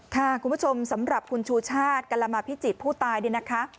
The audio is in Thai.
คุณผู้ชมสำหรับคุณชูชาติกรมาพิจิตรผู้ตายเนี่ยนะคะ